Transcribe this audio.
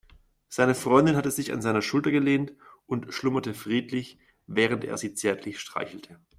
Seine Freundin hatte sich an seine Schulter gelehnt und schlummerte friedlich, während er sie zärtlich streichelte.